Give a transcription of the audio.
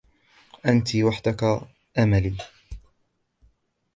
أنت وحدك أملي.